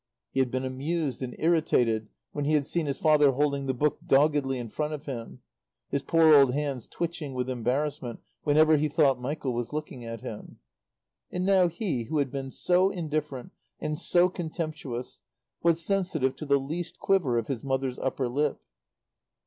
He had been amused and irritated when he had seen his father holding the book doggedly in front of him, his poor old hands twitching with embarrassment whenever he thought Michael was looking at him. And now he, who had been so indifferent and so contemptuous, was sensitive to the least quiver of his mother's upper lip.